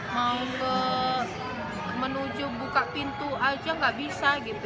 mau ke menuju buka pintu aja gak bisa gitu